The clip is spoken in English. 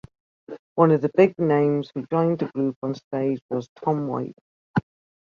One of the big names who joined the group on stage was Tom Waits.